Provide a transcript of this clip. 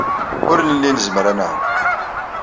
Ur nelli nezmer ad nɛum.